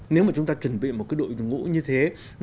nếu mà chúng ta chuẩn bị một đội ngũ như thế